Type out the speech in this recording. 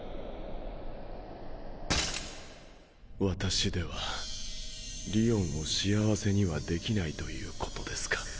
私ではりおんを幸せには出来ないと言うことですか。